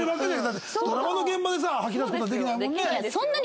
だってドラマの現場でさ吐き出す事はできないもんね。